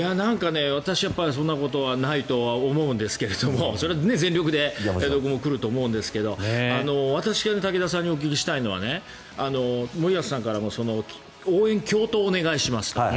私はそんなことはないと思いますが全力で来ると思うんですが私から武田さんにお聞きしたいのは森保さんからも応援共闘をお願いしますと。